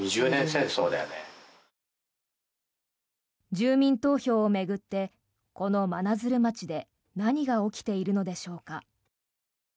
住民投票を巡ってこの真鶴町で何が起きているのでしょうか。